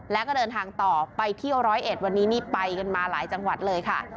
แล้วก็เดินทางต่อไปเที่ยวร้อยเอ็ดวันนี้นี่ไปกันมาหลายจังหวัดเลยค่ะ